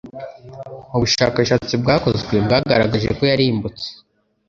ubushakashatsi bwakozwe bwagaragaje ko yarimbutse